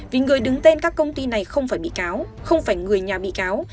vì người đứng tên các công ty này không phải bị cáo không phải người nhà bị cáo